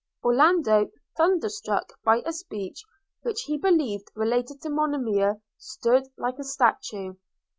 – Orlando, thunderstruck by a speech which he believed related to Monimia, stood like a statue.